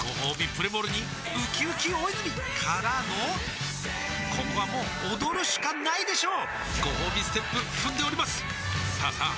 プレモルにうきうき大泉からのここはもう踊るしかないでしょうごほうびステップ踏んでおりますさあさあ